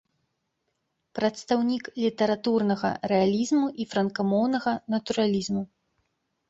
Прадстаўнік літаратурнага рэалізму і франкамоўнага натуралізму.